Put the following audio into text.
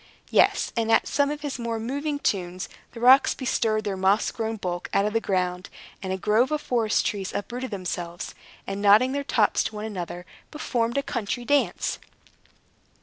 Yes, and at some of his more moving tunes, the rocks bestirred their moss grown bulk out of the ground, and a grove of forest trees uprooted themselves, and, nodding their tops to one another, performed a country dance.